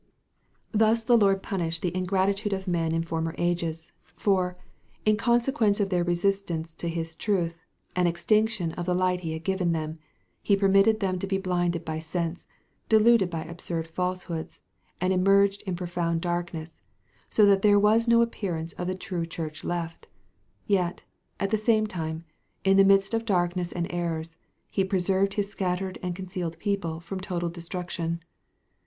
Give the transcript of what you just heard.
Thus the Lord punished the ingratitude of men in former ages; for, in consequence of their resistance to his truth, and extinction of the light he had given them, he permitted them to be blinded by sense, deluded by absurd falsehoods, and immerged in profound darkness, so that there was no appearance of the true Church left; yet, at the same time, in the midst of darkness and errors, he preserved his scattered and concealed people from total destruction.